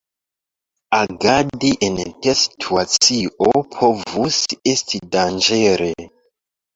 Agadi en tia situacio povus esti danĝere.